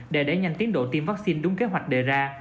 để đẩy nhanh tiến độ tiêm vaccine đúng kế hoạch đề ra